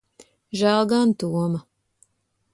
Žēl gan Toma.